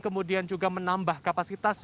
kemudian juga menambah kapasitas